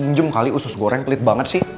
ya pinjem kali usus goreng pelit banget sih